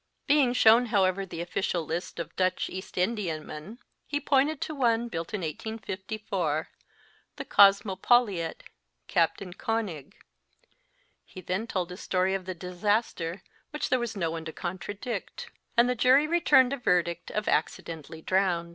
Being shown, however, the official list of Dutch East Indiamen, he pointed to one built in 1854, the Kosmopoliet/ Captain Konig. He then told his story of the disaster, which there was no one to contradict, and (? 275 the jury returned a verdict of Accidentally drowned.